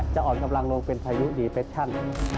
อ่อนกำลังลงเป็นพายุดีเปชั่น